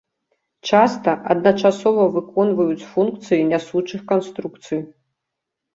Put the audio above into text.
Часта адначасова выконваюць функцыі нясучых канструкцый.